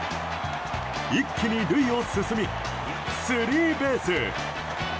一気に塁を進みスリーベース。